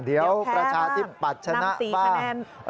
เดี๋ยวประชาธิปัตย์ชนะบ้าง